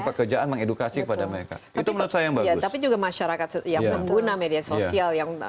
pekerjaan mengedukasi kepada mereka dan benar sangat bagus tapi juga masyarakat piang state yang